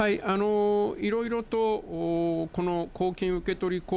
いろいろと、この公金受取口